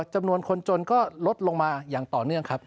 จำนวนคนจนก็ลดลงมาอย่างต่อเนื่องครับ